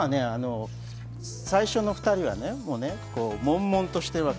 最初の２人はね、悶々としているわけ。